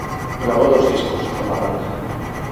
Grabó dos discos con la banda.